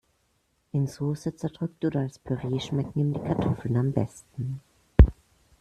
In Soße zerdrückt oder als Püree schmecken ihm Kartoffeln am besten.